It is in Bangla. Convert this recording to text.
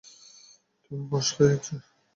তুমি বস হয়েছ।